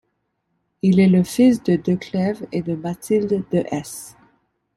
Il est le fils de de Clèves et de Mathilde de Hesse.